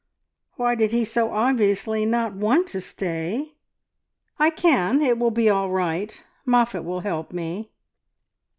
Why did he so obviously not want to stay? "I can. It will be all right. Moffatt will help me."